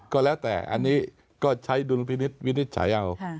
ก็แล้วแต่อันนี้ก็ใช้ดุลพินิษฐ์วินิจฉัยเอา